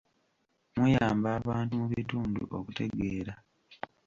Muyamba abantu mu bitundu okutegeera.